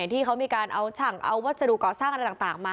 ที่เขามีการเอาช่างเอาวัสดุก่อสร้างอะไรต่างมา